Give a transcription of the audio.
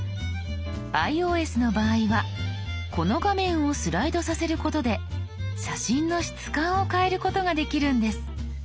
ｉＯＳの場合はこの画面をスライドさせることで写真の質感を変えることができるんです。